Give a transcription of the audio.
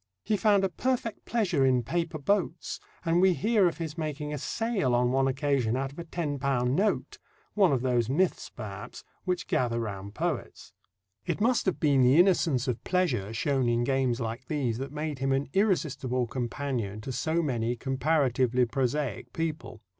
He found a perfect pleasure in paper boats, and we hear of his making a sail on one occasion out of a ten pound note one of those myths, perhaps, which gather round poets. It must have been the innocence of pleasure shown in games like these that made him an irresistible companion to so many comparatively prosaic people.